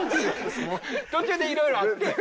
途中でいろいろあって。